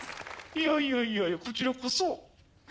いやいやいやいやこちらこそ。